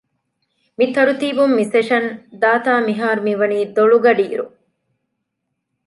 މި ތަރުތީބުން މި ސެޝަން ދާތާ މިހާރު މިވަނީ ދޮޅު ގަޑިއިރު